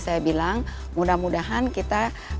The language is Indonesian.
saya bilang mudah mudahan kita